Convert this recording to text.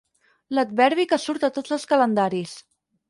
L'adverbi que surt a tots els calendaris.